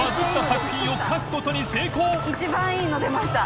一番いいの出ました。